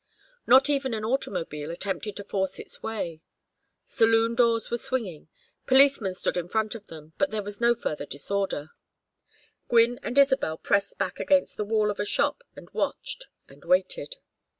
Not even an automobile attempted to force its way. Saloon doors were swinging. Policemen stood in front of them, but there was no further disorder. Gwynne and Isabel pressed back against the wall of a shop and watched and waited.